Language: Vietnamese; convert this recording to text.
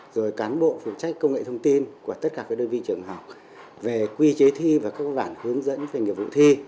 rồi cán bộ phụ trách công nghệ thông tin của tất cả các đơn vị trường học về quy chế thi và các bản hướng dẫn về nghiệp vụ thi